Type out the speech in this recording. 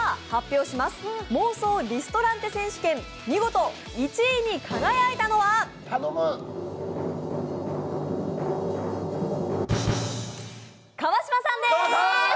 妄想リストランテ選手権、見事１位に輝いたのは川島さんです！